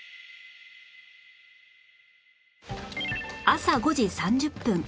朝５時３０分